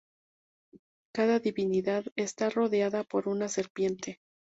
Cada divinidad está rodeada por una serpiente.